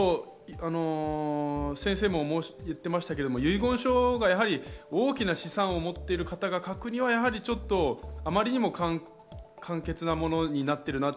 先生も言ってましたが、遺言書が大きな資産を持っている方が書くは余りにも簡潔なものになってるなと。